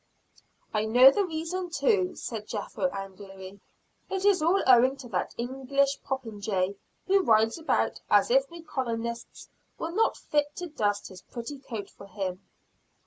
"I know the reason too," said Jethro, angrily "it is all owing to that English popinjay, who rides about as if we colonists were not fit to dust his pretty coat for him."